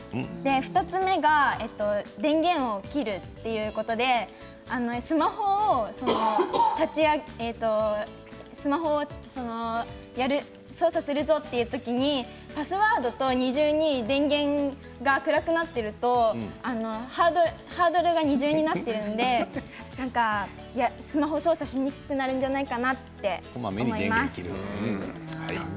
２つ目が電源を切るということでスマホを操作するぞという時にパスワードと二重に電源が暗くなっているとハードルが二重になっているのでスマホを操作しにくくなるんじゃないかなって。